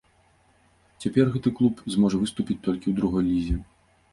Цяпер гэты клуб зможа выступіць толькі ў другой лізе.